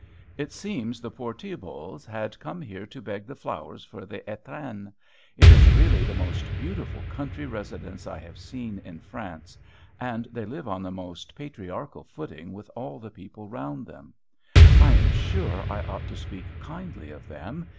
It seems the poor Thibaults had come here to beg the flowers for the étrenne. It is really the most beautiful country residence I have seen in France; and they live on the most patriarchal footing with all the people round them. I am sure I ought to speak kindly of them.